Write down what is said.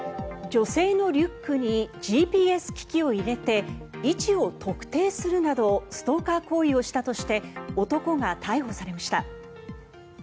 女性のリュックにＧＰＳ機器を入れて位置を特定するなどストーカー行為をしたとして男が逮捕されました。